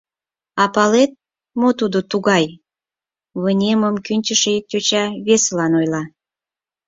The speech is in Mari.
А палет, мо тудо тугай? — вынемым кӱнчышӧ ик йоча весылан ойла.